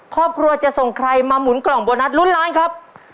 ครอบครัวจะส่งใครมาหมุนกล่องโบนัสลุ้นล้านครับ